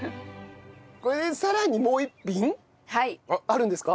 これでさらにもう一品あるんですか？